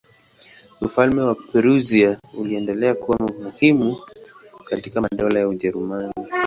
Ufalme wa Prussia uliendelea kuwa muhimu kati ya madola ya Ujerumani.